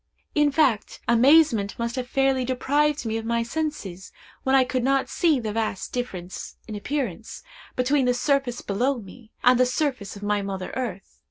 In fact, amazement must have fairly deprived me of my senses, when I could not see the vast difference, in appearance, between the surface below me, and the surface of my mother earth.